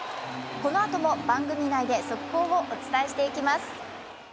このあとも番組内で速報をお伝えしていきます。